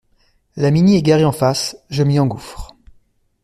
La Mini est garée en face, je m’y engouffre.